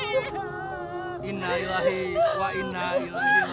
jangan pak jangan pak